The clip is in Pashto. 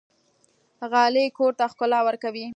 غالۍ کور ته ښکلا ورکوي.